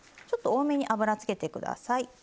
ちょっと多めに油つけてください。